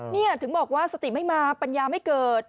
นี่ถึงบอกว่าสติไม่มาปัญญาไม่เกิด